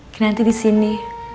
ki nanti disini